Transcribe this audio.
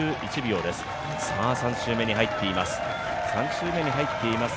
３周目に入っています。